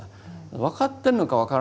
分かってるのか分からないのか